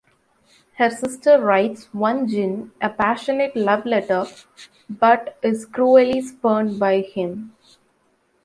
Her sister writes Onegin a passionate love letter but is cruelly spurned by him.